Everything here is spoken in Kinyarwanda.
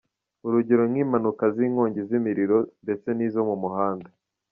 Urugero n’ink’impanuka z’inkongi z’imiriro ndetse n’izo mu muhanda.